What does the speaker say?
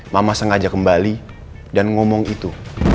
mama sengaja kembali dan ngomong itu